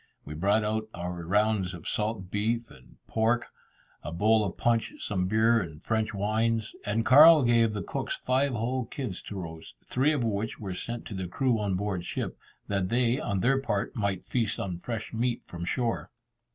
We brought out our rounds of salt beef and pork, a bowl of punch, some beer, and French wines; and Carl gave the cooks five whole kids to roast, three of which were sent to the crew on board ship, that they, on their part, might feast on fresh meat from shore.